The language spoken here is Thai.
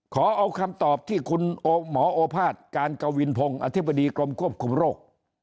ขอเอาคำตอบที่คุณหมอโอภาษย์การกวินพงศ์อธิบดีกรมควบคุมโรค